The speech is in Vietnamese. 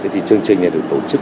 thì chương trình được tổ chức